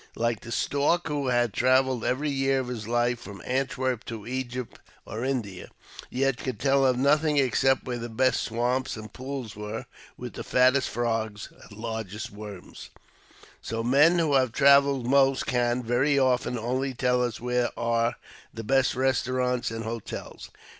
Like the stork who had travelled every year of his life from Antwerp to Egypt or India, yet could tell of nothing except where the best swamps and pools were with the fattest frogs and largest worms, so yw^ 6 PEE FACE TO THE men who have travelled most can, very often, only tell us where are the best restaurants and hotels.